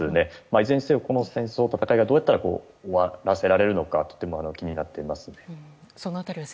いずれにせよ、この戦いをどうやったら終わらせられるか気になっています。